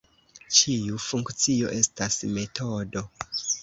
Ĉiu funkcio estas metodo.